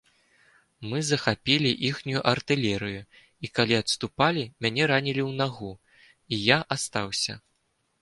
Мы захапілі іхнюю артылерыю, і, калі адступалі, мяне ранілі ў нагу, і я астаўся.